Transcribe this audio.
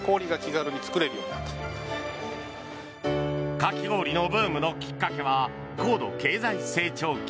かき氷のブームのきっかけは高度経済成長期。